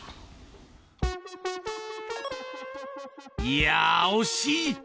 いやあ、惜しい！